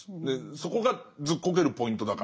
そこがずっこけるポイントだから。